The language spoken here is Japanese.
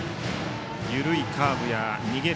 緩いカーブや逃げる